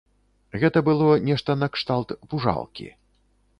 Гэта было нешта накшталт пужалкі.